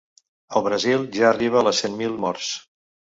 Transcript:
El Brasil ja arriba les cent mil morts.